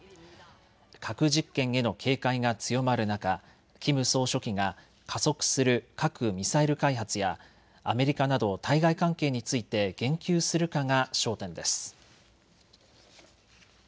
核実験への警戒が強まる中、キム総書記が加速する核・ミサイル開発やアメリカなど対外関係について言及するかが焦点です。